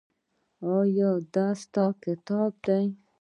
ایا دا ستا کتاب دی؟